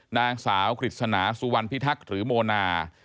นางสาวกฤษณาสุวรรณพิทักษ์หรือโมนา